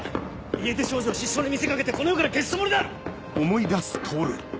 家出少女を失踪に見せ掛けてこの世から消すつもりだ！